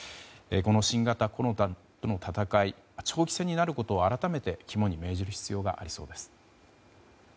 この新型コロナとの闘いは長期戦になることを改めて肝に銘じる必要がありそうです。